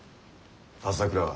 朝倉は。